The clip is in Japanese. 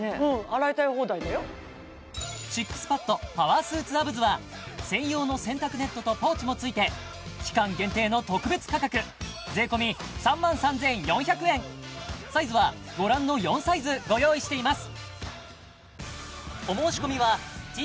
ＳＩＸＰＡＤパワースーツアブズは専用の洗濯ネットとポーチも付いて期間限定の特別価格税込３万３４００円サイズはご覧の４サイズご用意しています